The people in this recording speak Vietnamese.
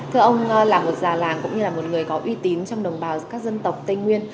thưa ông là một già làng cũng như là một người có uy tín trong đồng bào các dân tộc tây nguyên